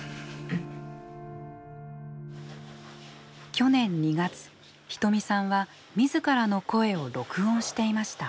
去年２月仁美さんは自らの声を録音していました。